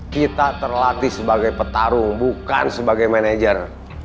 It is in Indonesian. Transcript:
kita terlatih sebagai petarung bukan sebagai manajer